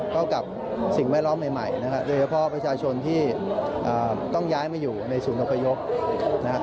กับสิ่งแวดล้อมใหม่นะครับโดยเฉพาะประชาชนที่ต้องย้ายมาอยู่ในศูนย์อพยพนะครับ